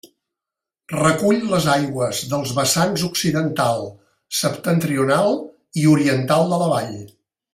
Recull les aigües dels vessants occidental, septentrional i oriental de la vall.